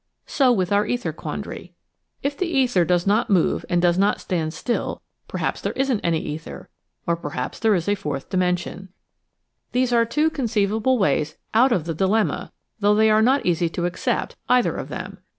So with our ether quandary. If the ether does not 12 EASY LESSONS IN EINSTEIN move and does not stand still perhaps there isn't any ether or perhaps there is a fourth dimension. These are two conceivable ways out of the dilemma though they are not easy to accept, either of them.